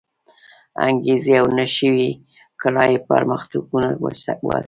انګېزې و نه شوی کړای پرمختګونه وهڅوي.